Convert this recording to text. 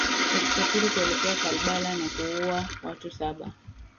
wakisafiri kuelekea kalbala na kuua watu saba